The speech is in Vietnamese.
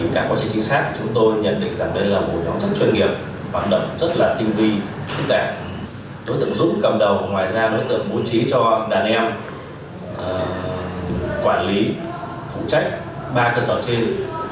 đối tượng giúp cầm đồ ngoài ra đối tượng bố trí cho đàn em quản lý phụ trách ba cơ sở trên